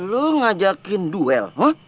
lu ngajakin duel